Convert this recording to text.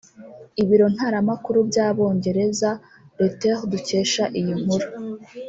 Ibiro ntaramakuru by’Abongereza Reuters dukesha iyi nkuru